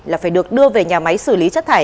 là phải được đưa về nhà máy xử lý chất thải